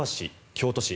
京都市